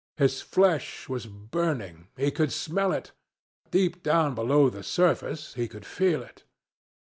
His flesh was burning. He could smell it. Deep down below the surface he could feel it.